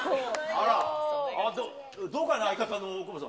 あら、どうかな、相方の大久保さん。